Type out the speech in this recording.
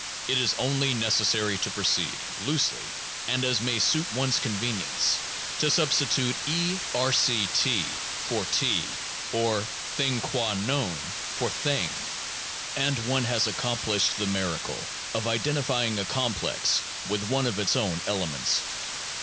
It is only necessary to proceed, loosely and as may suit one's convenience, to substitute (E)(R°)(T) for T, or thing qua known for thing, and one has accomplished the miracle of identify ing a complex with one of its own elements.